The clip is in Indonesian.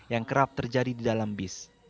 yang kerap terjadi di dalam bis